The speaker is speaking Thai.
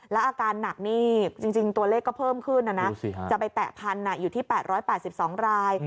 อาการหนักนี่จริงตัวเลขก็เพิ่มขึ้นนะนะจะไปแตะพันอยู่ที่๘๘๒ราย